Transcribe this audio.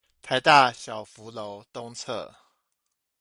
臺大小福樓東側